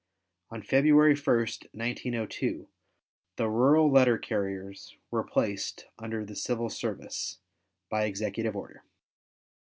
On February 1, 1902, the rural letter carriers were placed under the civil service by executive order.